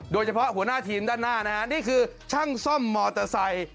หัวหน้าทีมด้านหน้านะฮะนี่คือช่างซ่อมมอเตอร์ไซค์